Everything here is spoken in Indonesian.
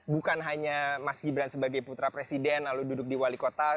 bukan hanya mas gibran sebagai putra presiden lalu duduk di wali kota